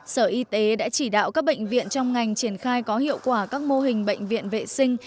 sở y tế đã chỉ đạo các bệnh viện trong ngành triển khai có hiệu quả các mô hình bệnh viện vệ sinh